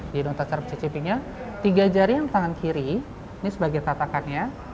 jadi untuk mencari cicipinya tiga jari yang tangan kiri ini sebagai tatakannya